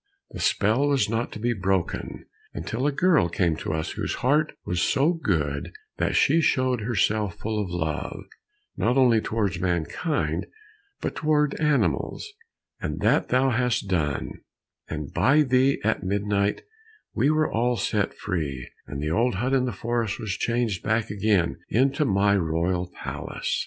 The spell was not to be broken until a girl came to us whose heart was so good that she showed herself full of love, not only towards mankind, but towards animals—and that thou hast done, and by thee at midnight we were set free, and the old hut in the forest was changed back again into my royal palace."